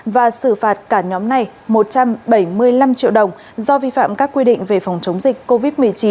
và xử phạt cả nhóm này một trăm bảy mươi năm triệu đồng do vi phạm các quy định về phòng chống dịch covid một mươi chín